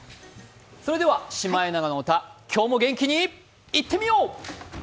それでは「シマエナガの歌」今日も元気にいってみよう。